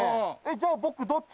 じゃあ僕どっち？